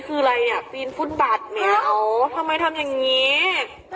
อ๋อคืออะไรเนี้ยคันหลังเขาก็ไปไม่ได้ทีนี้น่ะดู